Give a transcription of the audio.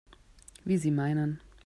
Wie Sie meinen.